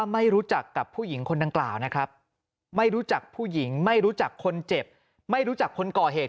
ไม่รู้จักผู้หญิงไม่รู้จักคนเจ็บไม่รู้จักคนก่อเหตุ